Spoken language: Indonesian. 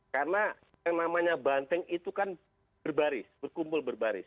karena yang namanya banteng itu kan berbaris berkumpul berbaris